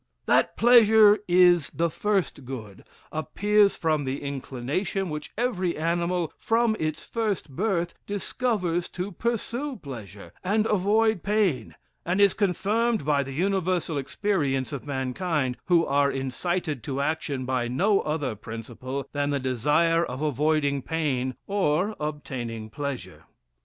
That pleasure is the first good, appears from the inclination which every animal, from its first birth, discovers to pursue pleasure, and avoid pain; and is confirmed by the universal experience of mankind, who are incited to action by no other principle than the desire of avoiding pain, or obtaining pleasure.